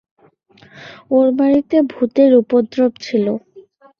ওর বাড়িতে ভূতের উপদ্রব ছিল।